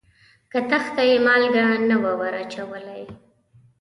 کتغ ته یې مالګه نه وه وراچولې.